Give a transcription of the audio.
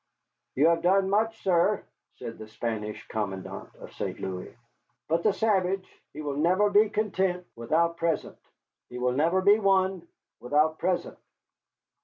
"You have done much, sir," said the Spanish commandant of St. Louis, "but the savage, he will never be content without present. He will never be won without present."